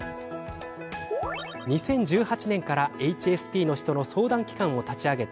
２０１８年からＨＳＰの人の相談機関を立ち上げ